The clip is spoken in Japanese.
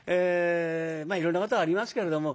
まあいろんなことがありますけれども。